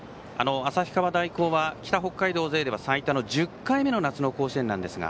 旭川大高は北北海道勢では最多の１０回目の夏の甲子園ですが。